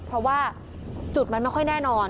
เพราะว่าจุดมันไม่ค่อยแน่นอน